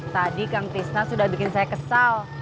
tadi kang krisna sudah bikin saya kesal